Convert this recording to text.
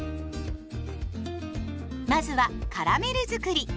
まずはカラメルづくり。